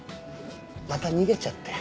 また逃げちゃって。